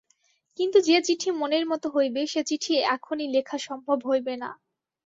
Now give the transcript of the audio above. কিন্তু যে চিঠি মনের মতো হইবে সে চিঠি এখনি লেখা সম্ভব হইবে না।